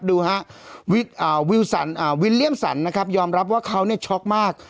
ดูฮะวิวสันวิลเลี่ยมสันนะครับยอมรับว่าเขาเนี่ยช็อกมาก